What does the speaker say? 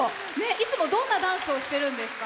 いつもどんなダンスをしてるんですか？